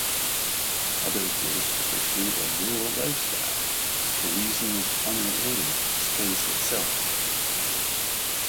Others wish to pursue a rural lifestyle for reasons unrelated to space itself.